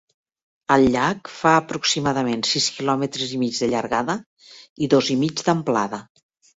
El llac fa aproximadament sis quilòmetres i mig de llargada i dos i mig d'amplada.